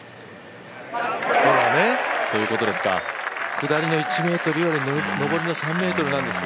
下りの１ｍより上りの３ｍなんですよ。